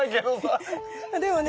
でもね